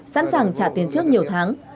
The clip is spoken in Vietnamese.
sẵn sàng trả tiền trước nhiều tháng